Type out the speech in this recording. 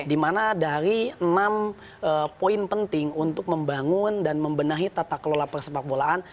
dimana dari enam poin penting untuk membangun dan membenahi tata kelola persepak bolaan